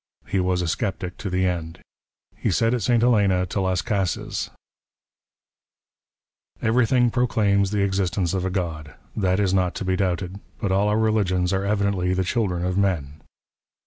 He was a sceptic to the end. He said at St. Helena to Las Cases : "Everything proclaims the existence of a God — that is not '■'■ to be doubted — but all our religions are evidently the children *' of men.